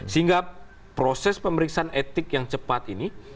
sehingga proses pemeriksaan etik yang cepat ini